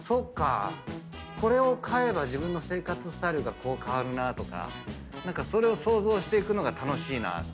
これを買えば自分の生活スタイルがこう変わるなとかそれを想像していくのが楽しいなって。